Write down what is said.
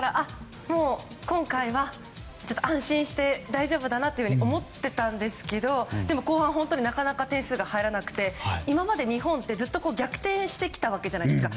今回は安心して大丈夫だなと思っていたんですけど後半、なかなか点数が入らなくて今まで日本はずっと逆転してきたわけじゃないですか。